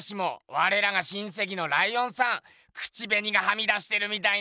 われらが親せきのライオンさん口べにがはみ出してるみたいな。